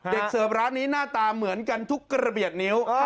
เสิร์ฟร้านนี้หน้าตาเหมือนกันทุกกระเบียดนิ้ว